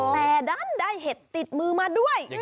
แต่ดันได้เห็ดติดมือมาด้วย